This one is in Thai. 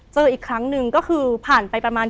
เจออีกครั้งหนึ่งก็คือผ่านไปประมาณ